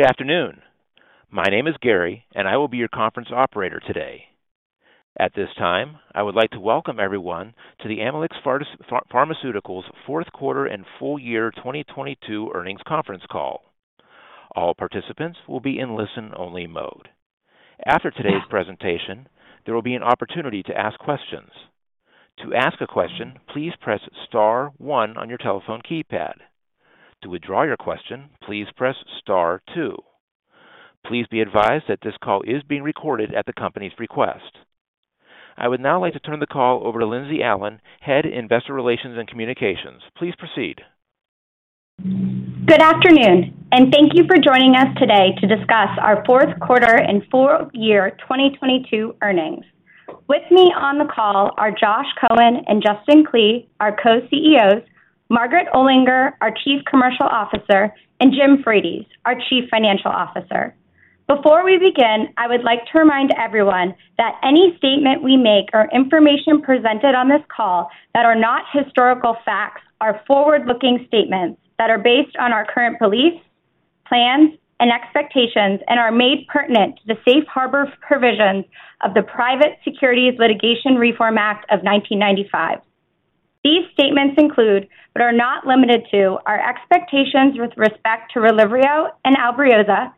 Good afternoon. My name is Gary, and I will be your conference operator today. At this time, I would like to welcome everyone to the Amylyx Pharmaceuticals' Q4 and full year 2022 earnings conference call. All participants will be in listen-only mode. After today's presentation, there will be an opportunity to ask questions. To ask a question, please press star one on your telephone keypad. To withdraw your question, please press star two. Please be advised that this call is being recorded at the company's request. I would now like to turn the call over to Lindsey Allen, Head Investor Relations and Communications. Please proceed. Good afternoon. Thank you for joining us today to discuss our Q4 and full year 2022 earnings. With me on the call are Josh Cohen and Justin Klee, our Co-CEOs, Margaret Olinger, our Chief Commercial Officer, and Jim Frates, our Chief Financial Officer. Before we begin, I would like to remind everyone that any statement we make or information presented on this call that are not historical facts are forward-looking statements that are based on our current beliefs, plans, and expectations and are made pertinent to the safe harbor provisions of the Private Securities Litigation Reform Act of 1995. These statements include, but are not limited to, our expectations with respect to RELYVRIO and ALBRIOZA,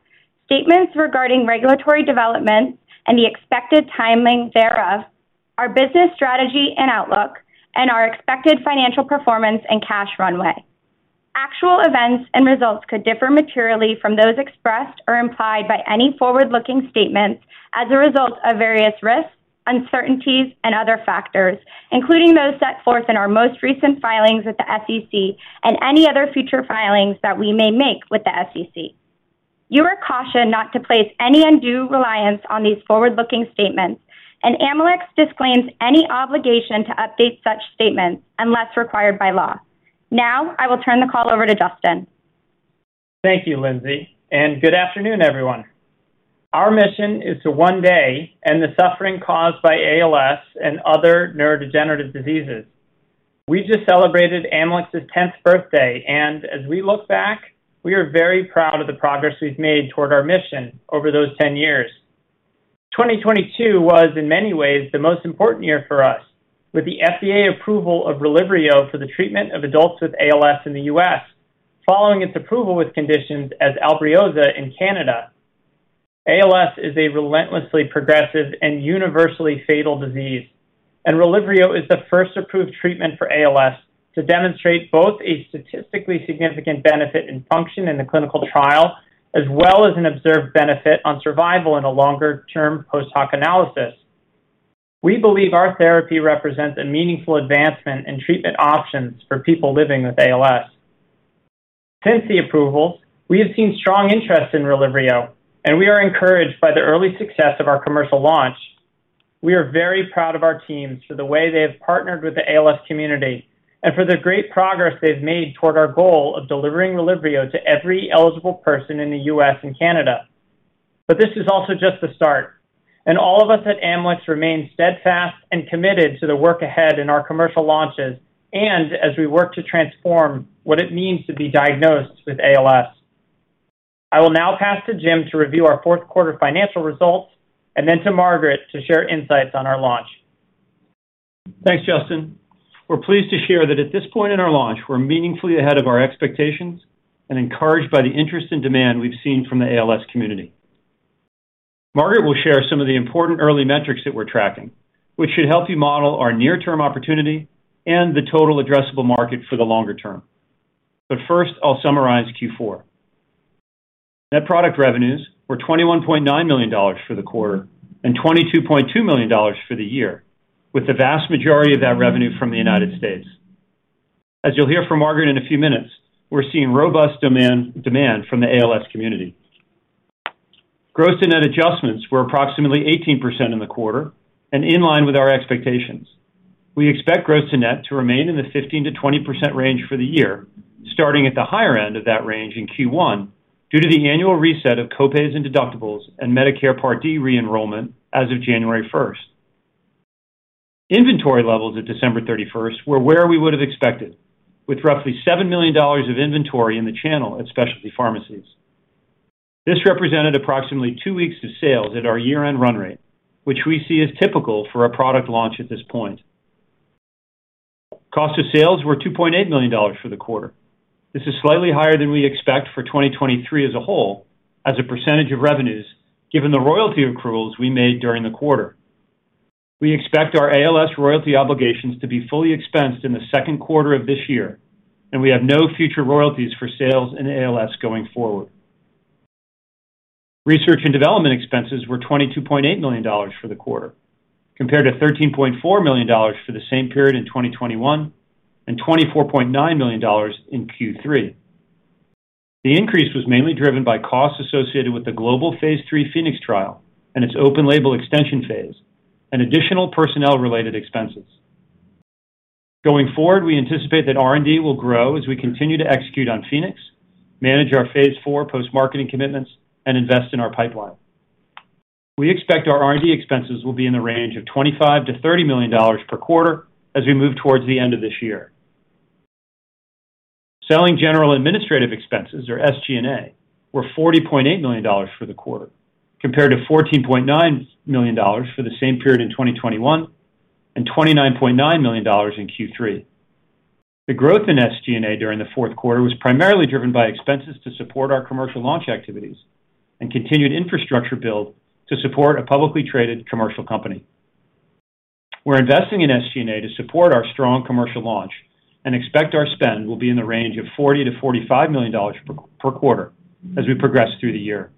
statements regarding regulatory developments and the expected timing thereof, our business strategy and outlook, and our expected financial performance and cash runway. Actual events and results could differ materially from those expressed or implied by any forward-looking statements as a result of various risks, uncertainties, and other factors, including those set forth in our most recent filings with the SEC and any other future filings that we may make with the SEC. You are cautioned not to place any undue reliance on these forward-looking statements. Amylyx disclaims any obligation to update such statements unless required by law. I will turn the call over to Justin. Thank you, Lindsey. Good afternoon, everyone. Our mission is to one day end the suffering caused by ALS and other neurodegenerative diseases. We just celebrated Amylyx's 10th birthday and as we look back, we are very proud of the progress we've made toward our mission over those 10 years. 2022 was, in many ways, the most important year for us with the FDA approval of RELYVRIO for the treatment of adults with ALS in the U.S. following its approval with conditions as ALBRIOZA in Canada. ALS is a relentlessly progressive and universally fatal disease. RELYVRIO is the first approved treatment for ALS to demonstrate both a statistically significant benefit in function in the clinical trial as well as an observed benefit on survival in a longer-term post-hoc analysis. We believe our therapy represents a meaningful advancement in treatment options for people living with ALS. Since the approval, we have seen strong interest in RELYVRIO. We are encouraged by the early success of our commercial launch. We are very proud of our teams for the way they have partnered with the ALS community and for the great progress they've made toward our goal of delivering RELYVRIO to every eligible person in the U.S. and Canada. This is also just the start. All of us at Amylyx remain steadfast and committed to the work ahead in our commercial launches and as we work to transform what it means to be diagnosed with ALS. I will now pass to Jim to review our Q4 financial results and then to Margaret to share insights on our launch. Thanks, Justin. We're pleased to share that at this point in our launch we're meaningfully ahead of our expectations and encouraged by the interest and demand we've seen from the ALS community. Margaret will share some of the important early metrics that we're tracking, which should help you model our near-term opportunity and the total addressable market for the longer term. First, I'll summarize Q four. Net product revenues were $21.9 million for the quarter and $22.2 million for the year, with the vast majority of that revenue from the United States. As you'll hear from Margaret in a few minutes, we're seeing robust demand from the ALS community. Gross to net adjustments were approximately 18% in the quarter and in line with our expectations. We expect gross to net to remain in the 15%-20% range for the year, starting at the higher end of that range in Q one due to the annual reset of co-pays and deductibles and Medicare Part D re-enrollment as of January 1st. Inventory levels at December 31st were where we would have expected, with roughly $7 million of inventory in the channel at specialty pharmacies. This represented approximately two weeks of sales at our year-end run rate, which we see as typical for a product launch at this point. Cost of sales were $2.8 million for the quarter. This is slightly higher than we expect for 2023 as a whole as a % of revenues given the royalty accruals we made during the quarter. We expect our ALS royalty obligations to be fully expensed in the Q2 of this year. We have no future royalties for sales in ALS going forward. Research and development expenses were $22.8 million for the quarter, compared to $13.4 million for the same period in 2021 and $24.9 million in Q3. The increase was mainly driven by costs associated with the global Phase III PHOENIX Trial and its open label extension phase and additional personnel-related expenses. We anticipate that R&D will grow as we continue to execute on PHOENIX, manage our Phase IV post-marketing commitments, and invest in our pipeline. We expect our R&D expenses will be in the range of $25 million-$30 million per quarter as we move towards the end of this year. Selling general administrative expenses or SG&A were $40.8 million for the quarter, compared to $14.9 million for the same period in 2021 and $29.9 million in Q3. The growth in SG&A during the Q4 was primarily driven by expenses to support our commercial launch activities and continued infrastructure build to support a publicly traded commercial company. We're investing in SG&A to support our strong commercial launch and expect our spend will be in the range of $40 million-$45 million per quarter as we progress through the year.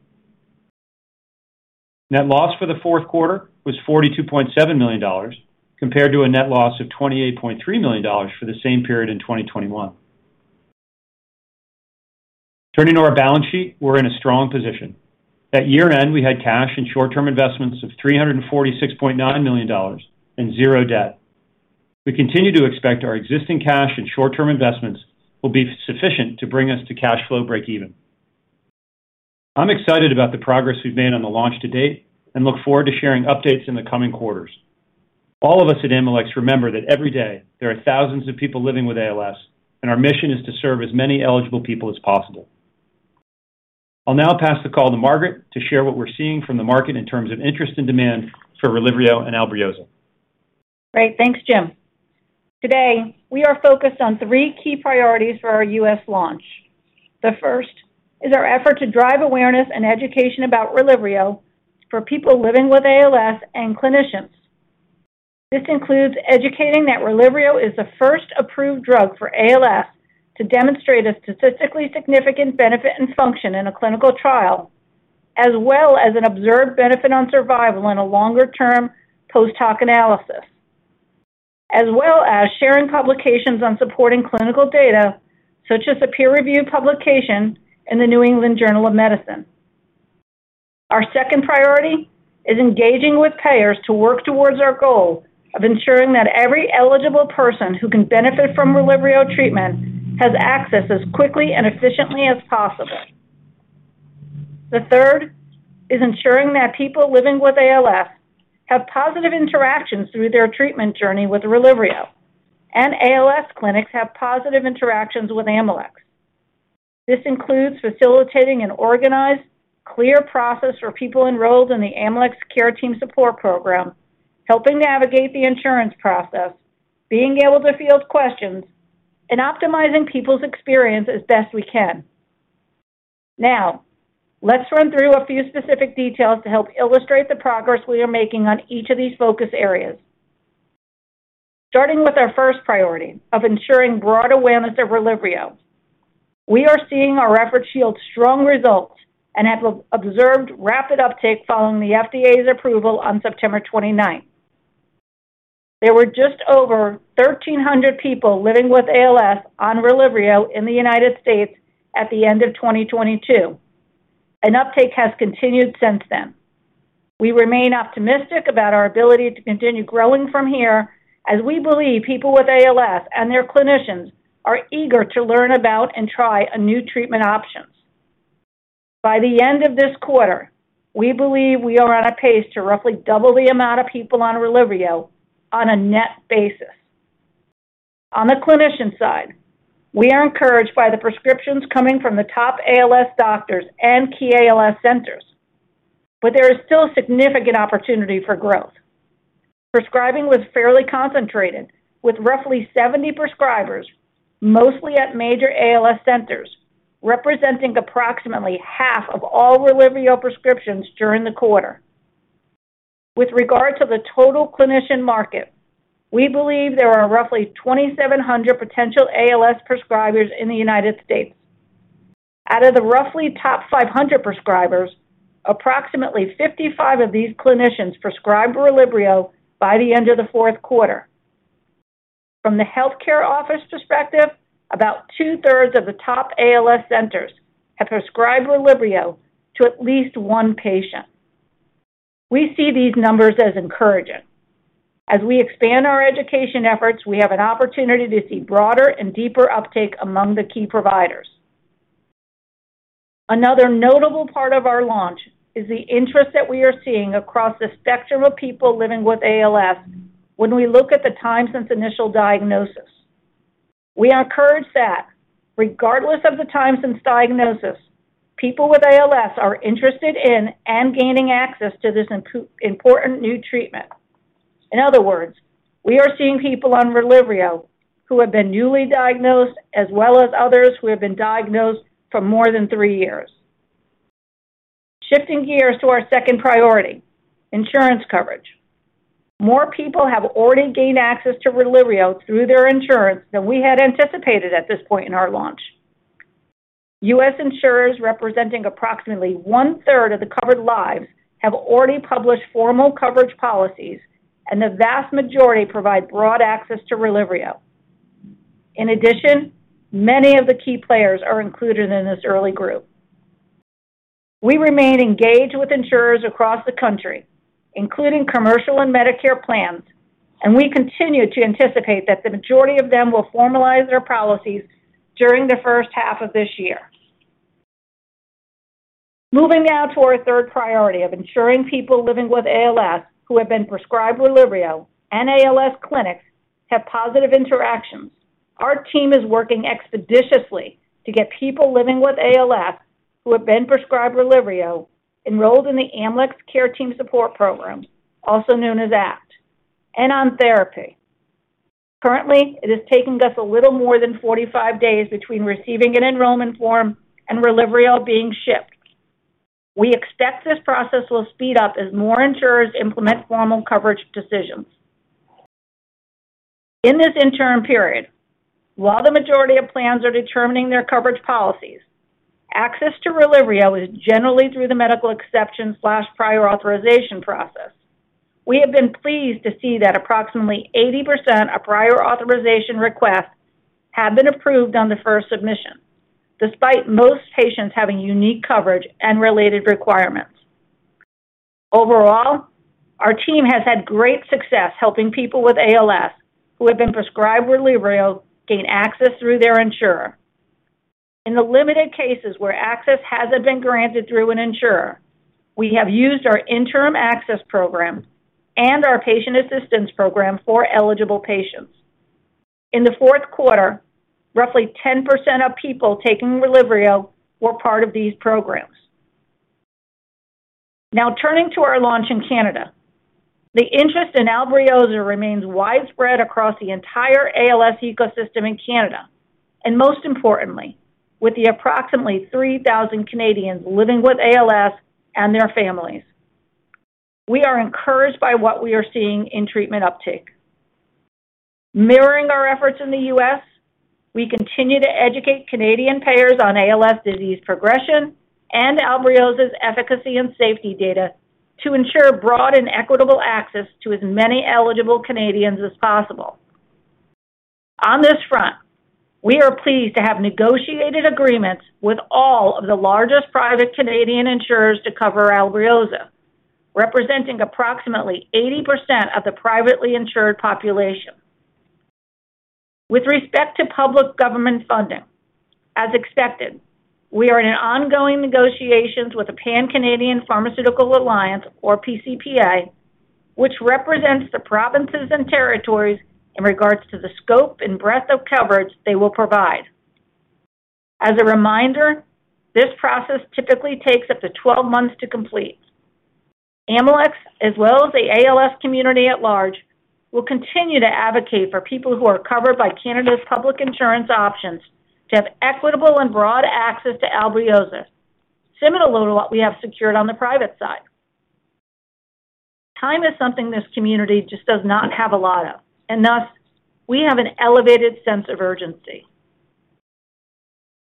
Net loss for the Q4 was $42.7 million compared to a net loss of $28.3 million for the same period in 2021. Turning to our balance sheet, we're in a strong position. At year-end, we had cash and short-term investments of $346.9 million and 0 debt. We continue to expect our existing cash and short-term investments will be sufficient to bring us to cash flow breakeven. I'm excited about the progress we've made on the launch to date and look forward to sharing updates in the coming quarters. All of us at Amylyx remember that every day there are thousands of people living with ALS, and our mission is to serve as many eligible people as possible. I'll now pass the call to Margaret to share what we're seeing from the market in terms of interest and demand for RELYVRIO and ALBRIOZA. Great. Thanks, Jim. Today, we are focused on three key priorities for our U.S. launch. The first is our effort to drive awareness and education about RELYVRIO for people living with ALS and clinicians. This includes educating that RELYVRIO is the first approved drug for ALS to demonstrate a statistically significant benefit and function in a clinical trial, as well as an observed benefit on survival in a longer-term post-hoc analysis. As well as sharing publications on supporting clinical data such as a peer-reviewed publication in The New England Journal of Medicine. Our second priority is engaging with payers to work towards our goal of ensuring that every eligible person who can benefit from RELYVRIO treatment has access as quickly and efficiently as possible. The third is ensuring that people living with ALS have positive interactions through their treatment journey with RELYVRIO, and ALS clinics have positive interactions with Amylyx. This includes facilitating an organized, clear process for people enrolled in the Amylyx Care Team Support Program, helping navigate the insurance process, being able to field questions, and optimizing people's experience as best we can. Let's run through a few specific details to help illustrate the progress we are making on each of these focus areas. Starting with our first priority of ensuring broad awareness of RELYVRIO. We are seeing our efforts yield strong results and have observed rapid uptake following the FDA's approval on September 29th. There were just over 1,300 people living with ALS on RELYVRIO in the United States at the end of 2022. An uptake has continued since then. We remain optimistic about our ability to continue growing from here as we believe people with ALS and their clinicians are eager to learn about and try a new treatment options. By the end of this quarter, we believe we are on a pace to roughly double the amount of people on RELYVRIO on a net basis. On the clinician side, we are encouraged by the prescriptions coming from the top ALS doctors and key ALS centers. There is still significant opportunity for growth. Prescribing was fairly concentrated, with roughly 70 prescribers, mostly at major ALS centers, representing approximately half of all RELYVRIO prescriptions during the quarter. With regard to the total clinician market, we believe there are roughly 2,700 potential ALS prescribers in the United States. Out of the roughly top 500 prescribers, approximately 55 of these clinicians prescribed RELYVRIO by the end of the Q4. From the healthcare office perspective, about two-thirds of the top ALS centers have prescribed RELYVRIO to at least one patient. We see these numbers as encouraging. As we expand our education efforts, we have an opportunity to see broader and deeper uptake among the key providers. Another notable part of our launch is the interest that we are seeing across the spectrum of people living with ALS when we look at the time since initial diagnosis. We are encouraged that regardless of the time since diagnosis, people with ALS are interested in and gaining access to this important new treatment. In other words, we are seeing people on Relyvrio who have been newly diagnosed as well as others who have been diagnosed for more than three years. Shifting gears to our second priority: insurance coverage. More people have already gained access to Relyvrio through their insurance than we had anticipated at this point in our launch. U.S. insurers representing approximately 1/3 of the covered lives have already published formal coverage policies, and the vast majority provide broad access to RELYVRIO. In addition, many of the key players are included in this early group. We remain engaged with insurers across the country, including commercial and Medicare plans, and we continue to anticipate that the majority of them will formalize their policies during the H1 of this year. Moving now to our third priority of ensuring people living with ALS who have been prescribed RELYVRIO and ALS clinics have positive interactions. Our team is working expeditiously to get people living with ALS who have been prescribed RELYVRIO enrolled in the Amylyx Care Team Support Program, also known as ACT, and on therapy. Currently, it is taking us a little more than 45 days between receiving an enrollment form and RELYVRIO being shipped. We expect this process will speed up as more insurers implement formal coverage decisions. In this interim period, while the majority of plans are determining their coverage policies, access to RELYVRIO is generally through the medical exception/prior authorization process. We have been pleased to see that approximately 80% of prior authorization requests have been approved on the first submission, despite most patients having unique coverage and related requirements. Overall, our team has had great success helping people with ALS who have been prescribed RELYVRIO gain access through their insurer. In the limited cases where access hasn't been granted through an insurer, we have used our interim access program and our patient assistance program for eligible patients. In the Q4, roughly 10% of people taking RELYVRIO were part of these programs. Turning to our launch in Canada. The interest in ALBRIOZA remains widespread across the entire ALS ecosystem in Canada, most importantly, with the approximately 3,000 Canadians living with ALS and their families. We are encouraged by what we are seeing in treatment uptake. Mirroring our efforts in the U.S., we continue to educate Canadian payers on ALS disease progression and ALBRIOZA's efficacy and safety data to ensure broad and equitable access to as many eligible Canadians as possible. On this front, we are pleased to have negotiated agreements with all of the largest private Canadian insurers to cover ALBRIOZA, representing approximately 80% of the privately insured population. With respect to public government funding, as expected, we are in ongoing negotiations with the pan-Canadian Pharmaceutical Alliance, or PCPA, which represents the provinces and territories in regards to the scope and breadth of coverage they will provide. As a reminder, this process typically takes up to 12 months to complete. Amylyx, as well as the ALS community at large, will continue to advocate for people who are covered by Canada's public insurance options to have equitable and broad access to ALBRIOZA, similar to what we have secured on the private side. Time is something this community just does not have a lot of, and thus we have an elevated sense of urgency.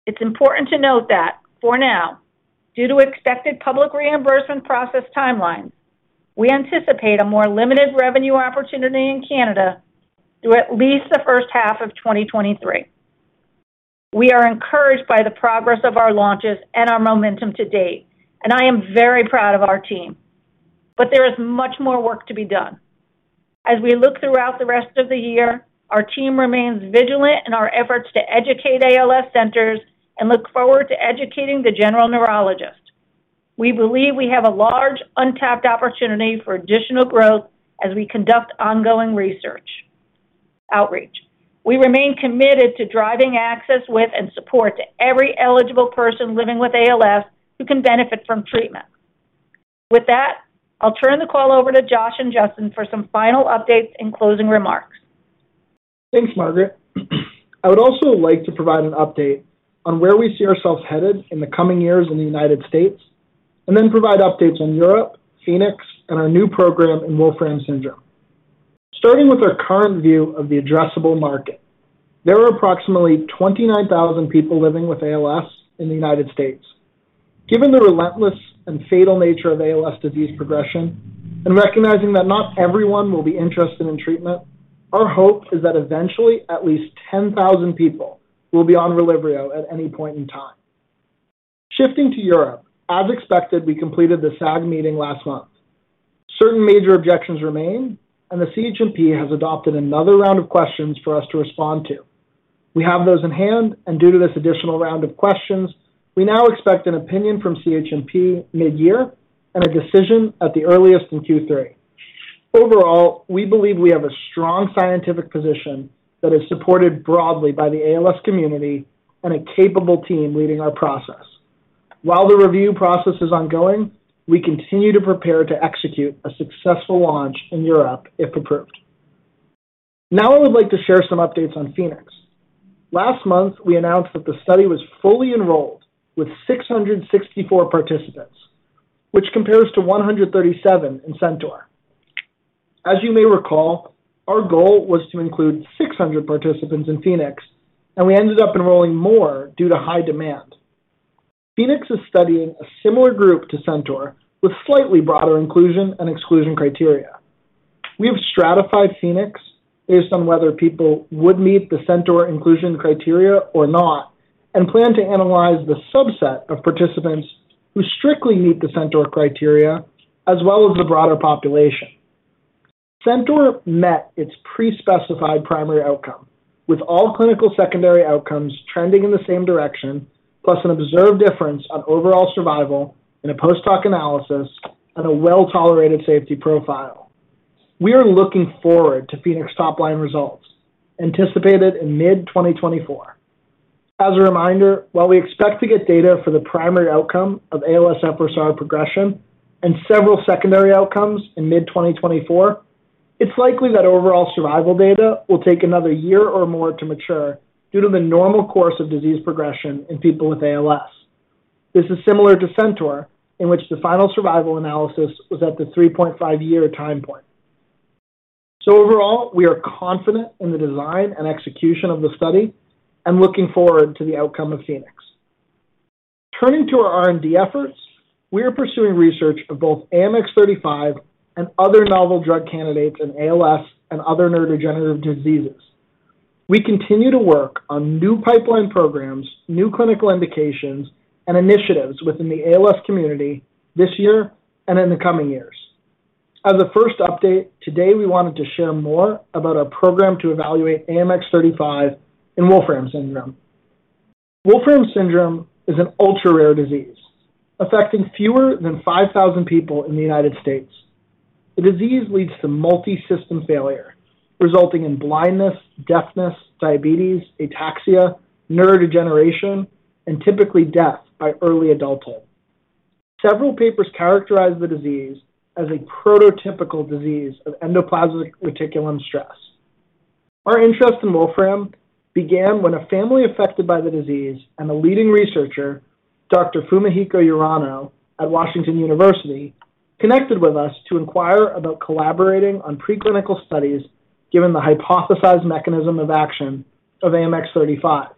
It's important to note that for now, due to expected public reimbursement process timelines, we anticipate a more limited revenue opportunity in Canada through at least the H1 of 2023. We are encouraged by the progress of our launches and our momentum to date, and I am very proud of our team, but there is much more work to be done. As we look throughout the rest of the year, our team remains vigilant in our efforts to educate ALS centers and look forward to educating the general neurologist. We believe we have a large untapped opportunity for additional growth as we conduct ongoing research outreach. We remain committed to driving access with and support to every eligible person living with ALS who can benefit from treatment. With that, I'll turn the call over to Josh and Justin for some final updates and closing remarks. Thanks, Margaret. I would also like to provide an update on where we see ourselves headed in the coming years in the United States and provide updates on Europe, PHOENIX, and our new program in Wolfram syndrome. Starting with our current view of the addressable market. There are approximately 29,000 people living with ALS in the United States. Given the relentless and fatal nature of ALS disease progression and recognizing that not everyone will be interested in treatment, our hope is that eventually at least 10,000 people will be on RELYVRIO at any point in time. Shifting to Europe. As expected, we completed the SAG meeting last month. Certain major objections remain. The CHMP has adopted another round of questions for us to respond to. We have those in hand, due to this additional round of questions, we now expect an opinion from CHMP mid-year and a decision at the earliest in Q3. Overall, we believe we have a strong scientific position that is supported broadly by the ALS community and a capable team leading our process. While the review process is ongoing, we continue to prepare to execute a successful launch in Europe if approved. Now, I would like to share some updates on PHOENIX. Last month, we announced that the study was fully enrolled with 664 participants, which compares to 137 in CENTAUR. As you may recall, our goal was to include 600 participants in PHOENIX, and we ended up enrolling more due to high demand. PHOENIX is studying a similar group to CENTAUR with slightly broader inclusion and exclusion criteria. We have stratified PHOENIX based on whether people would meet the CENTAUR inclusion criteria or not, and plan to analyze the subset of participants who strictly meet the CENTAUR criteria as well as the broader population. CENTAUR met its pre-specified primary outcome, with all clinical secondary outcomes trending in the same direction, plus an observed difference on overall survival in a post hoc analysis and a well-tolerated safety profile. We are looking forward to PHOENIX top line results anticipated in mid 2024. As a reminder, while we expect to get data for the primary outcome of ALSFRS-R progression and several secondary outcomes in mid 2024, it's likely that overall survival data will take another year or more to mature due to the normal course of disease progression in people with ALS. This is similar to CENTAUR, in which the final survival analysis was at the 3.5-year time point. Overall, we are confident in the design and execution of the study and looking forward to the outcome of PHOENIX. Turning to our R&D efforts, we are pursuing research of both AMX0035 and other novel drug candidates in ALS and other neurodegenerative diseases. We continue to work on new pipeline programs, new clinical indications, and initiatives within the ALS community this year and in the coming years. As a first update, today, we wanted to share more about our program to evaluate AMX0035 in Wolfram syndrome. Wolfram syndrome is an ultra-rare disease affecting fewer than 5,000 people in the United States. The disease leads to multi-system failure, resulting in blindness, deafness, diabetes, ataxia, neurodegeneration, and typically death by early adulthood. Several papers characterize the disease as a prototypical disease of endoplasmic reticulum stress. Our interest in Wolfram began when a family affected by the disease and a leading researcher, Dr. Fumihiko Urano at Washington University, connected with us to inquire about collaborating on preclinical studies, given the hypothesized mechanism of action of AMX0035.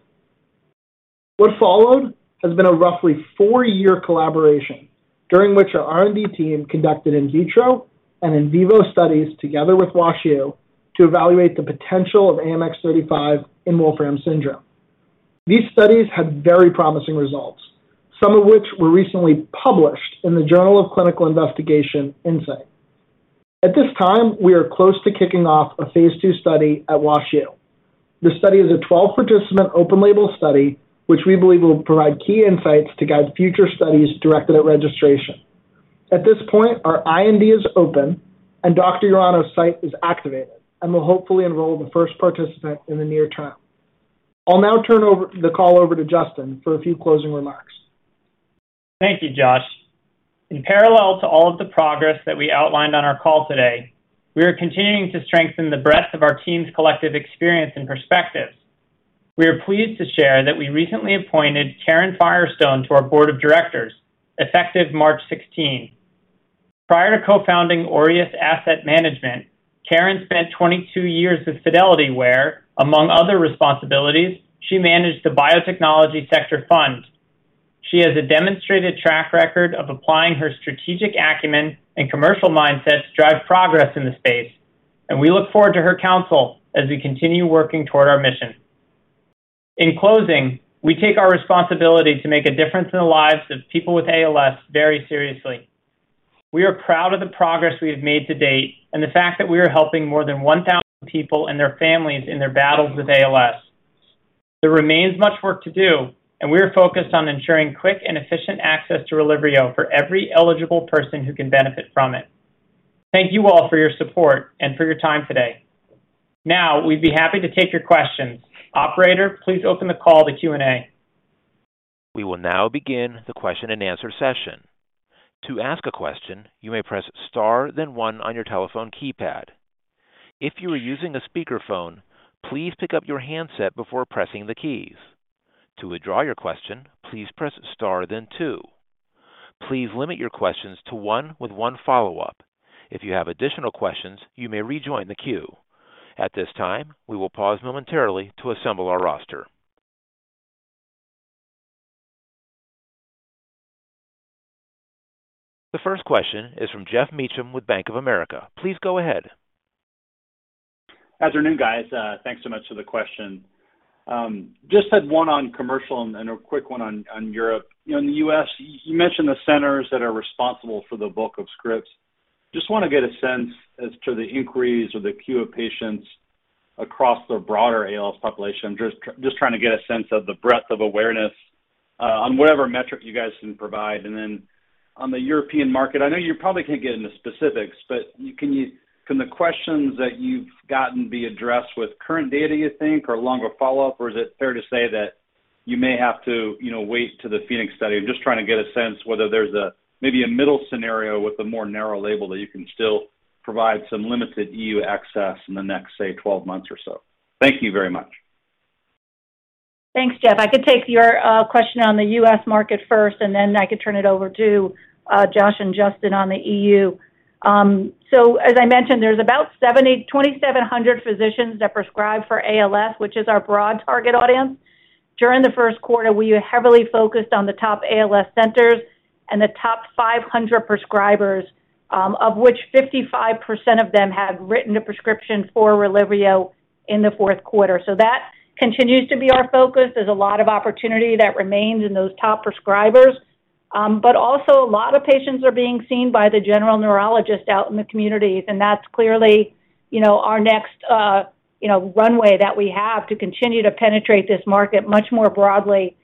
What followed has been a roughly four-year collaboration during which our R&D team conducted in vitro and in vivo studies together with WashU to evaluate the potential of AMX0035 in Wolfram syndrome. These studies had very promising results, some of which were recently published in JCI Insight. At this time, we are close to kicking off a Phase II study at WashU. This study is a 12-participant open label study, which we believe will provide key insights to guide future studies directed at registration. At this point, our IND is open and Dr. Urano's site is activated, and we'll hopefully enroll the first participant in the near term. I'll now turn the call over to Justin for a few closing remarks. Thank you, Josh. In parallel to all of the progress that we outlined on our call today, we are continuing to strengthen the breadth of our team's collective experience and perspectives. We are pleased to share that we recently appointed Karen Firestone to our board of directors effective March 16. Prior to co-founding Aureus Asset Management, Karen spent 22 years with Fidelity, where, among other responsibilities, she managed the biotechnology sector fund. She has a demonstrated track record of applying her strategic acumen and commercial mindset to drive progress in the space, and we look forward to her counsel as we continue working toward our mission. In closing, we take our responsibility to make a difference in the lives of people with ALS very seriously. We are proud of the progress we have made to date and the fact that we are helping more than 1,000 people and their families in their battles with ALS. There remains much work to do, and we are focused on ensuring quick and efficient access to RELYVRIO for every eligible person who can benefit from it. Thank you all for your support and for your time today. Now we'd be happy to take your questions. Operator, please open the call to Q&A. We will now begin the question and answer session. To ask a question, you may press star then one on your telephone keypad. If you are using a speakerphone, please pick up your handset before pressing the keys. To withdraw your question, please press star then two. Please limit your questions to one with one follow-up. If you have additional questions, you may rejoin the queue. At this time, we will pause momentarily to assemble our roster. The first question is from Geoff Meacham with Bank of America. Please go ahead. Afternoon, guys. Thanks so much for the question. Just had one on commercial and a quick one on Europe. You know, in the U.S., you mentioned the centers that are responsible for the bulk of scripts. Just wanna get a sense as to the inquiries or the queue of patients across the broader ALS population. Just trying to get a sense of the breadth of awareness, on whatever metric you guys can provide. On the European market, I know you probably can't get into specifics, but can the questions that you've gotten be addressed with current data, you think, or longer follow-up? Or is it fair to say that you may have to, you know, wait to the PHOENIX study? I'm just trying to get a sense whether there's maybe a middle scenario with a more narrow label that you can still provide some limited E.U. access in the next, say, 12 months or so. Thank you very much. Thanks, Geoff. I could take your question on the U.S. market first, and then I could turn it over to Josh and Justin on the E.U. As I mentioned, there's about 2,700 physicians that prescribe for ALS, which is our broad target audience. During the Q1, we heavily focused on the top ALS centers and the top 500 prescribers, of which 55% of them had written a prescription for RELYVRIO in the Q4. That continues to be our focus. There's a lot of opportunity that remains in those top prescribers. Also a lot of patients are being seen by the general neurologist out in the communities, and that's clearly, you know, our next, you know, runway that we have to continue to penetrate this market much more broadly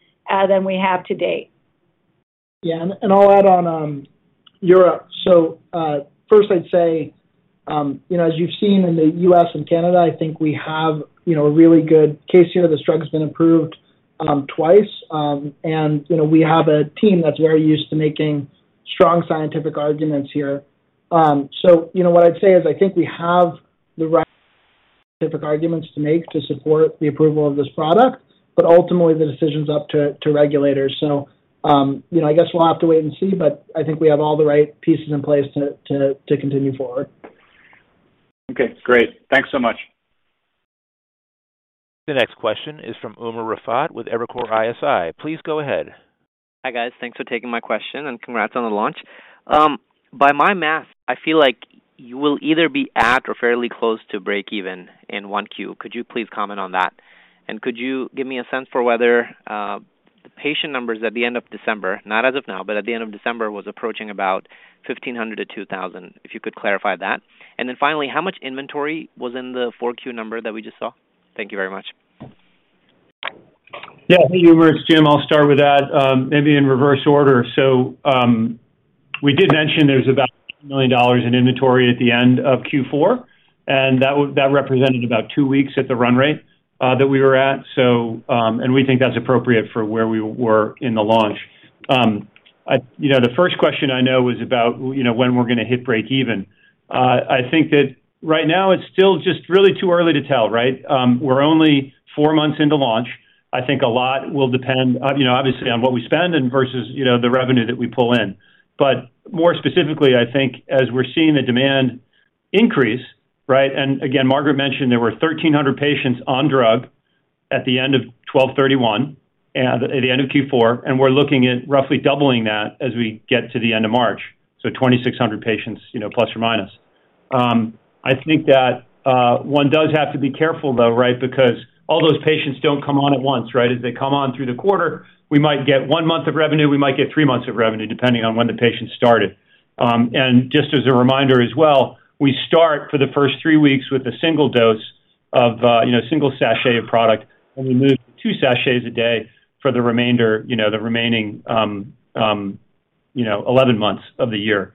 than we have to date. Yeah. I'll add on Europe. First I'd say, you know, as you've seen in the U.S. and Canada, I think we have, you know, a really good case here. This drug has been approved twice. You know, we have a team that's very used to making strong scientific arguments here. You know, what I'd say is I think we have the right difficult arguments to make to support the approval of this product, but ultimately the decision's up to regulators. You know, I guess we'll have to wait and see, but I think we have all the right pieces in place to continue forward. Okay, great. Thanks so much. The next question is from Umer Raffat with Evercore ISI. Please go ahead. Hi, guys. Thanks for taking my question and congrats on the launch. By my math, I feel like you will either be at or fairly close to break even in 1Q. Could you please comment on that? Could you give me a sense for whether the patient numbers at the end of December, not as of now, but at the end of December, was approaching about 1,500-2,000, if you could clarify that. Finally, how much inventory was in the 4Q number that we just saw? Thank you very much. Yeah, hey, Umer. It's Jim. I'll start with that, maybe in reverse order. We did mention there's about $1 million in inventory at the end of Q4, and that represented about two weeks at the run rate that we were at. We think that's appropriate for where we were in the launch. I, you know, the first question I know was about, you know, when we're gonna hit break even. I think that right now it's still just really too early to tell, right? We're only four months into launch. I think a lot will depend, you know, obviously on what we spend and versus, you know, the revenue that we pull in. More specifically, I think as we're seeing the demand increase, right, and again, Margaret mentioned there were 1,300 patients on drug at the end of 12/31 and at the end of Q4, and we're looking at roughly doubling that as we get to the end of March. 2,600 patients, you know, ±. I think that one does have to be careful, though, right? All those patients don't come on at once, right? As they come on through the quarter, we might get one month of revenue, we might get three months of revenue, depending on when the patient started. Just as a reminder as well, we start for the first three weeks with a one dose of, you know, one sachet of product, and we move two sachets a day for the remainder, you know, the remaining, you know, 11 months of the year.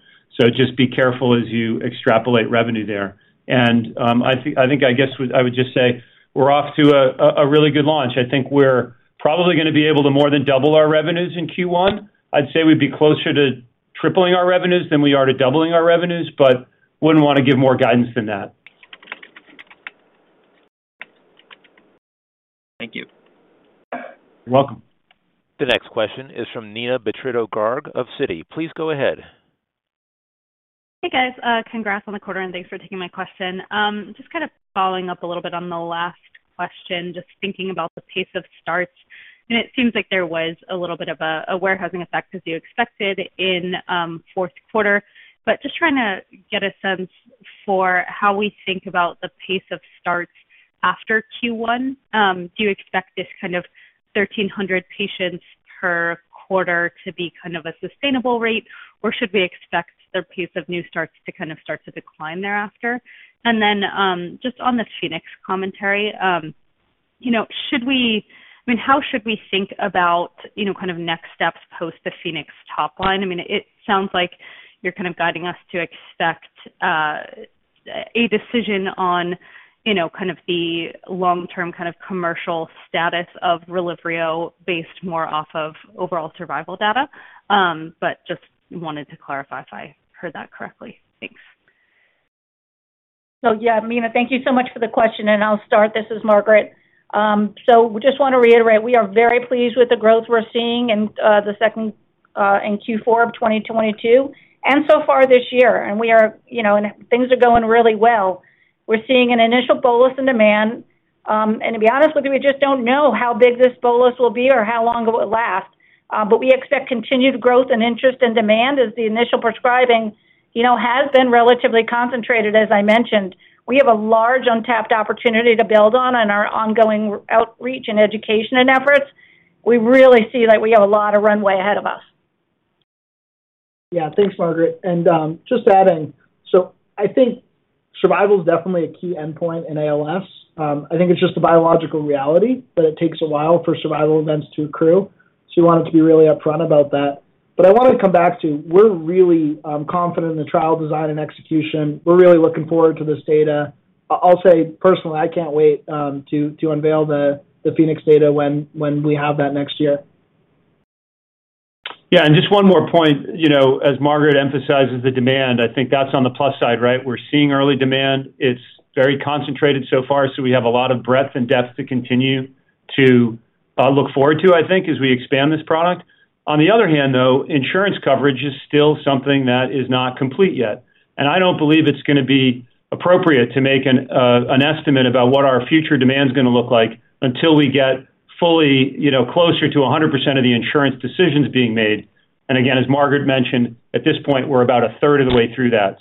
Just be careful as you extrapolate revenue there. I think I guess I would just say we're off to a really good launch. I think we're probably gonna be able to more than double our revenues in Q1. I'd say we'd be closer to tripling our revenues than we are to doubling our revenues, but wouldn't wanna give more guidance than that. Thank you. You're welcome. The next question is from Neena Bitritto-Garg of Citi. Please go ahead. Hey, guys. Congrats on the quarter, thanks for taking my question. Just kind of following up a little bit on the last question, just thinking about the pace of starts. It seems like there was a little bit of a warehousing effect as you expected in Q4. Just trying to get a sense for how we think about the pace of starts after Q1. Do you expect this kind of 1,300 patients per quarter to be kind of a sustainable rate, or should we expect their pace of new starts to kind of start to decline thereafter? Just on the PHOENIX commentary, you know, I mean, how should we think about, you know, kind of next steps post the PHOENIX top line? I mean, it sounds like you're kind of guiding us to expect a decision on, you know, kind of the long-term kind of commercial status of RELYVRIO based more off of overall survival data. Just wanted to clarify if I heard that correctly? Thanks. Yeah, Neena, thank you so much for the question, I'll start. This is Margaret. Just want to reiterate, we are very pleased with the growth we're seeing in Q4 of 2022 and so far this year. We are, you know, things are going really well. We're seeing an initial bolus in demand, to be honest with you, we just don't know how big this bolus will be or how long it will last. We expect continued growth and interest and demand as the initial prescribing, you know, has been relatively concentrated, as I mentioned. We have a large untapped opportunity to build on in our ongoing outreach and education and efforts. We really see that we have a lot of runway ahead of us. Yeah. Thanks, Margaret. Just to add in. I think survival is definitely a key endpoint in ALS. I think it's just a biological reality that it takes a while for survival events to accrue. We wanted to be really upfront about that. I wanna come back to, we're really confident in the trial design and execution. We're really looking forward to this data. I'll say personally, I can't wait to unveil the PHOENIX data when we have that next year. Yeah. Just one more point. You know, as Margaret emphasizes the demand, I think that's on the plus side, right? We're seeing early demand. It's very concentrated so far, so we have a lot of breadth and depth to continue to look forward to, I think, as we expand this product. On the other hand, though, insurance coverage is still something that is not complete yet. I don't believe it's gonna be appropriate to make an estimate about what our future demand is gonna look like until we get fully, you know, closer to 100% of the insurance decisions being made. Again, as Margaret mentioned, at this point, we're about a third of the way through that.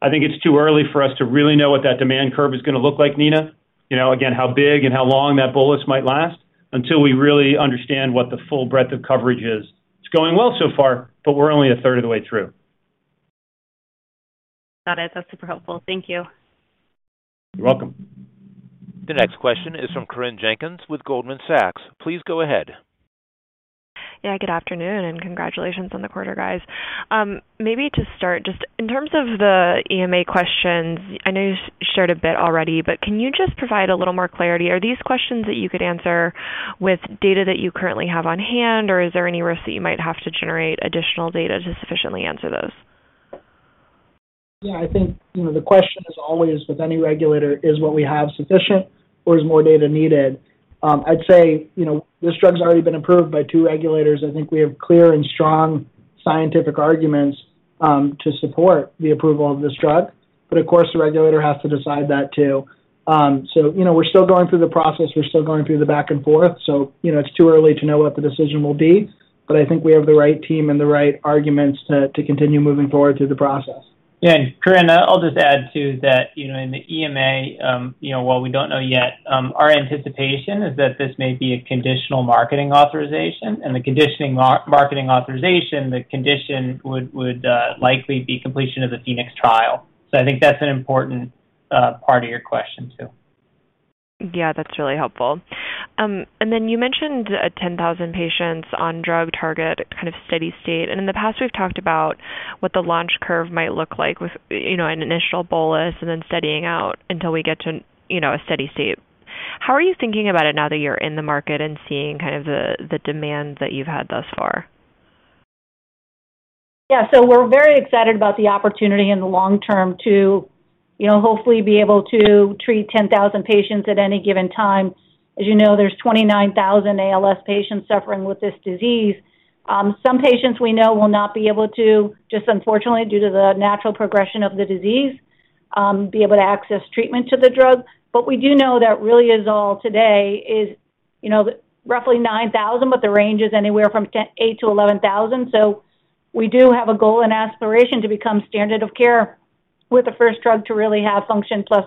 I think it's too early for us to really know what that demand curve is gonna look like, Nina. You know, again, how big and how long that bolus might last until we really understand what the full breadth of coverage is. It's going well so far, but we're only a third of the way through. Got it. That's super helpful. Thank you. You're welcome. The next question is from Corinne Jenkins with Goldman Sachs. Please go ahead. Good afternoon, and congratulations on the quarter, guys. Maybe to start, just in terms of the EMA questions, I know you shared a bit already, but can you just provide a little more clarity? Are these questions that you could answer with data that you currently have on hand, or is there any risk that you might have to generate additional data to sufficiently answer those? Yeah, I think, you know, the question is always with any regulator, is what we have sufficient or is more data needed? I'd say, you know, this drug's already been approved by two regulators. I think we have clear and strong scientific arguments to support the approval of this drug. Of course, the regulator has to decide that too. You know, we're still going through the process. We're still going through the back and forth. You know, it's too early to know what the decision will be. I think we have the right team and the right arguments to continue moving forward through the process. Yeah. Corinne, I'll just add to that. You know, in the EMA, you know, while we don't know yet, our anticipation is that this may be a Conditional Marketing Authorisation. The conditioning marketing authorization, the condition would likely be completion of the PHOENIX trial. I think that's an important part of your question too. Yeah, that's really helpful. Then you mentioned 10,000 patients on drug target kind of steady-state. In the past, we've talked about what the launch curve might look like with, you know, an initial bolus and then steadying out until we get to, you know, a steady state. How are you thinking about it now that you're in the market and seeing kind of the demand that you've had thus far? We're very excited about the opportunity in the long term to, you know, hopefully be able to treat 10,000 patients at any given time. As you know, there's 29,000 ALS patients suffering with this disease. Some patients we know will not be able to, just unfortunately due to the natural progression of the disease, be able to access treatment to the drug. We do know that really is all today is, you know, roughly 9,000, but the range is anywhere from 8,000-11,000. We do have a goal and aspiration to become standard of care. We're the first drug to really have function plus,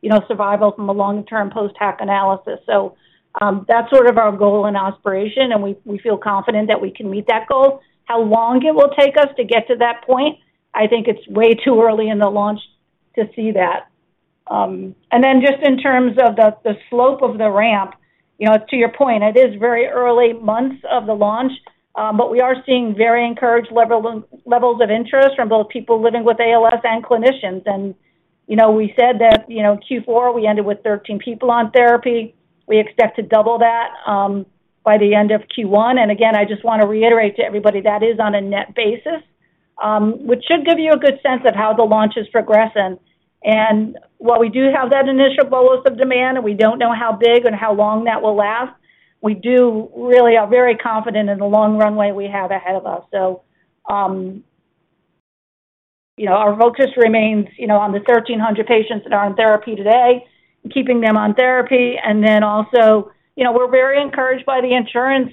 you know, survival from a long-term post-hoc analysis. That's sort of our goal and aspiration, and we feel confident that we can meet that goal. How long it will take us to get to that point, I think it's way too early in the launch to see that. Then just in terms of the slope of the ramp, you know, to your point, it is very early months of the launch, but we are seeing very encouraged levels of interest from both people living with ALS and clinicians. You know, we said that, you know, Q4, we ended with 13 people on therapy. We expect to double that by the end of Q1. Again, I just wanna reiterate to everybody, that is on a net basis, which should give you a good sense of how the launch is progressing. While we do have that initial bolus of demand and we don't know how big and how long that will last, we do really are very confident in the long runway we have ahead of us. You know, our focus remains, you know, on the 1,300 patients that are on therapy today and keeping them on therapy. Also, you know, we're very encouraged by the insurance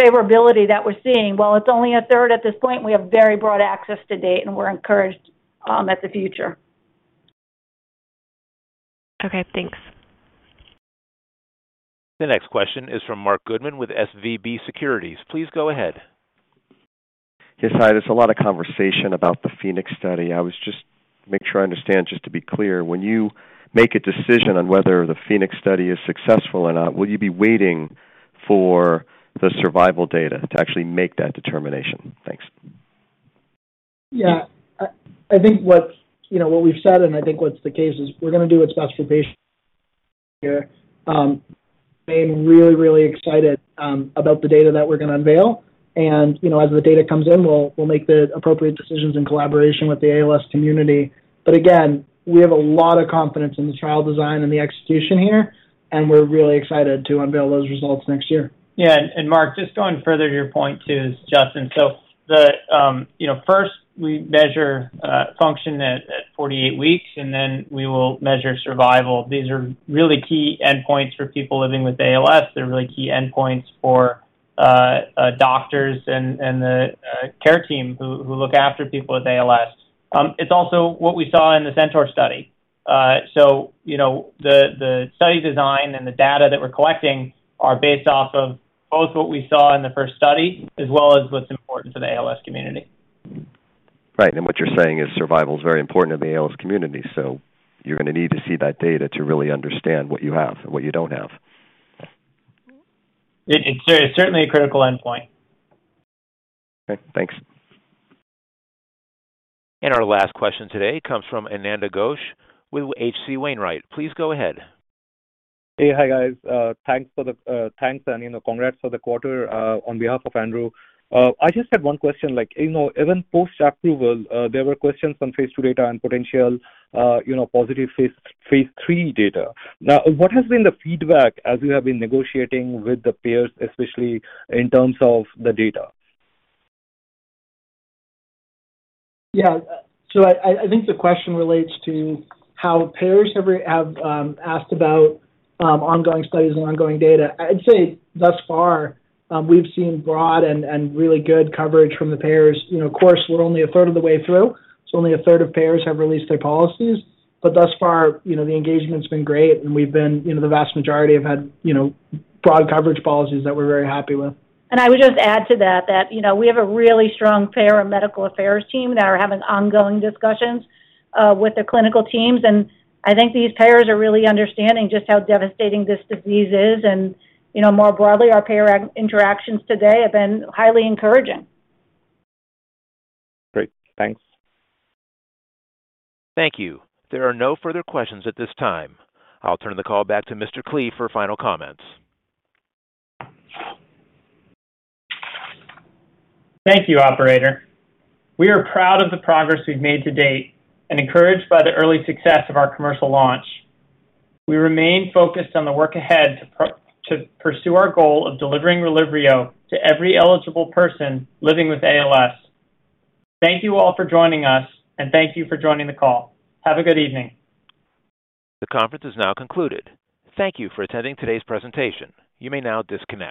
favorability that we're seeing. While it's only a third at this point, we have very broad access to date, and we're encouraged at the future. Okay, thanks. The next question is from Marc Goodman with SVB Securities. Please go ahead. Yes, hi. There's a lot of conversation about the PHOENIX study. Make sure I understand, just to be clear, when you make a decision on whether the PHOENIX study is successful or not, will you be waiting for the survival data to actually make that determination? Thanks. Yeah. I think, you know, what we've said, and I think what's the case is we're gonna do what's best for patients here. I am really, really excited about the data that we're gonna unveil. You know, as the data comes in, we'll make the appropriate decisions in collaboration with the ALS community. Again, we have a lot of confidence in the trial design and the execution here, and we're really excited to unveil those results next year. Yeah. Marc, just going further to your point too is, Justin. The, you know, first we measure function at 48 weeks, then we will measure survival. These are really key endpoints for people living with ALS. They're really key endpoints for doctors and the care team who look after people with ALS. It's also what we saw in the CENTAUR study. You know, the study design and the data that we're collecting are based off of both what we saw in the first study as well as what's important to the ALS community. Right. What you're saying is survival is very important in the ALS community. You're going to need to see that data to really understand what you have and what you don't have. It's certainly a critical endpoint. Okay, thanks. Our last question today comes from Ananda Ghosh with H.C. Wainwright. Please go ahead. Hey. Hi, guys. Thanks for the thanks, and, you know, congrats for the quarter, on behalf of Andrew. I just had one question. Like, you know, even post-approval, there were questions on Phase II data and potential, you know, positive Phase III data. What has been the feedback as you have been negotiating with the payers, especially in terms of the data? Yeah. I think the question relates to how payers have asked about ongoing studies and ongoing data. I'd say thus far, we've seen broad and really good coverage from the payers. You know, of course, we're only a third of the way through, so only a third of payers have released their policies. Thus far, you know, the engagement's been great, and we've been, you know, the vast majority have had, you know, broad coverage policies that we're very happy with. I would just add to that, you know, we have a really strong payer and medical affairs team that are having ongoing discussions with the clinical teams. I think these payers are really understanding just how devastating this disease is. You know, more broadly, our payer interactions today have been highly encouraging. Great. Thanks. Thank you. There are no further questions at this time. I'll turn the call back to Mr. Klee for final comments. Thank you, operator. We are proud of the progress we've made to date and encouraged by the early success of our commercial launch. We remain focused on the work ahead to pursue our goal of delivering RELYVRIO to every eligible person living with ALS. Thank you all for joining us, and thank you for joining the call. Have a good evening. The conference is now concluded. Thank you for attending today's presentation. You may now disconnect.